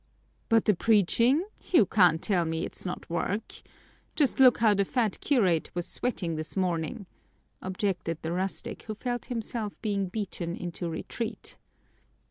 "But the preaching? You can't tell me that it's not work. Just look how the fat curate was sweating this morning," objected the rustic, who felt himself being beaten into retreat.